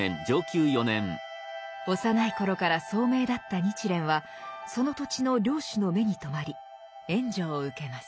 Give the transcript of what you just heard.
幼い頃から聡明だった日蓮はその土地の領主の目に留まり援助を受けます。